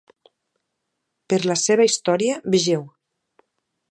Per la seva història vegeu: